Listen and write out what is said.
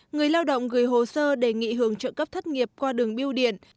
người lao động gửi hồ sơ đề nghị hưởng trợ cấp thất nghiệp qua đường biêu điện